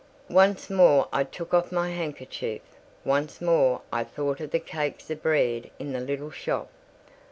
Once more I took off my handkerchief—once more I thought of the cakes of bread in the little shop.